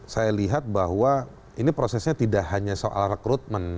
saya lihat bahwa ini prosesnya tidak hanya soal rekrutmen